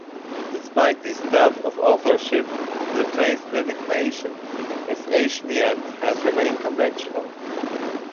Despite these doubts of authorship, the play's designation as Aeschylean has remained conventional.